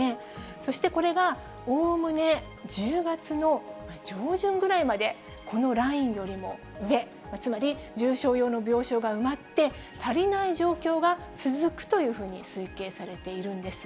そしてこれがおおむね１０月の上旬ぐらいまで、このラインよりも上、つまり重症用の病床が埋まって、足りない状況が続くというふうに推計されているんです。